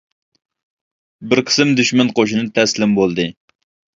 بىر قىسىم دۈشمەن قوشۇنى تەسلىم بولدى.